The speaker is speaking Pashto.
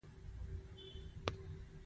تر څو بدبیني وي، یووالی نه جوړېږي.